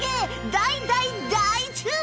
大大大注目です！